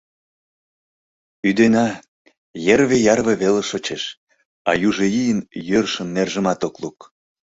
Ӱдена — йырве-ярве веле шочеш, а южо ий йӧршын нержымат ок лук.